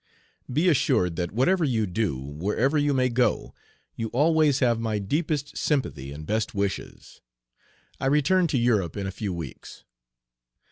Be assured that whatever you do, wherever you may go, you always have my deepest sympathy and best wishes. I return to Europe in a few weeks.